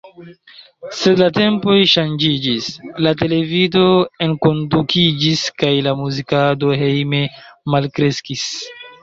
Sed la tempoj ŝanĝiĝis: la televido enkondukiĝis kaj la muzikado hejme malkreskis.